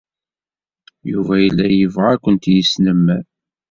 Yuba yella yebɣa ad kent-yesnemmer.